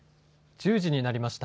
１０時になりました。